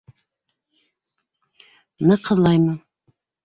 Ныҡ һыҙлаймы?